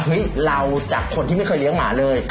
เราจากคนที่ไม่เคยเลี้ยงหมาเลย